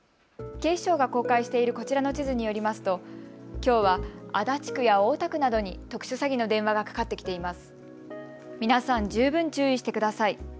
警視庁が公開しているこちらの地図によりますときょうは足立区や大田区などに特殊詐欺の電話がかかってきています。